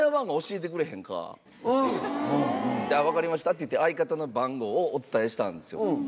って言って相方の番号をお伝えしたんですよ。